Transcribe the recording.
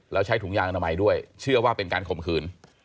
แล้วใช้ถุงยางอนามัยด้วยเชื่อว่าเป็นการข่มขืน